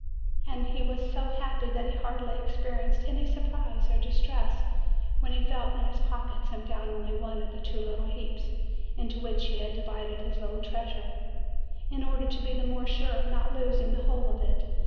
And he was so happy, that he hardly experienced any surprise or distress when he felt in his pockets and found only one of the two little heaps into which he had divided his little treasure, in order to be the more sure of not losing the whole of it.